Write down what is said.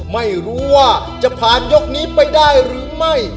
ไม่รู้ว่าจะผ่านยกนี้ไปได้หรือไม่